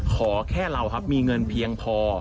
ขอแค่เราครับมีเงินเพียงพอ